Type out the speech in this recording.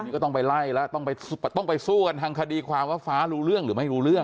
นี่ก็ต้องไปไล่แล้วต้องไปสู้กันทางคดีความว่าฟ้ารู้เรื่องหรือไม่รู้เรื่อง